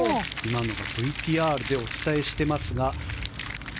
ＶＴＲでお伝えしていますが。